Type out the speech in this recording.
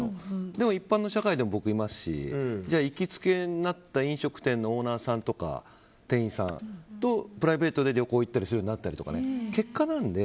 でも一般の社会でもいますし行きつけになった飲食店のオーナーさんとか店員さんとプライベートで旅行するようになったりとか結果なんで。